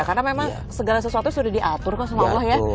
karena memang segala sesuatu sudah diatur kok sama allah ya